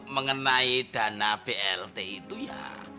mengenai dana blt itu ya